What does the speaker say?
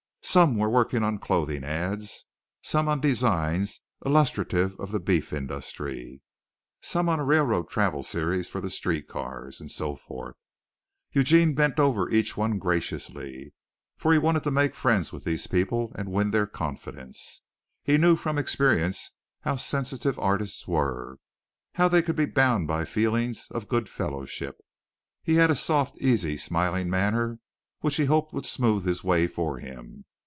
Some were working on clothing ads, some on designs illustrative of the beef industry, some on a railroad travel series for the street cars, and so forth. Eugene bent over each one graciously, for he wanted to make friends with these people and win their confidence. He knew from experience how sensitive artists were how they could be bound by feelings of good fellowship. He had a soft, easy, smiling manner which he hoped would smooth his way for him.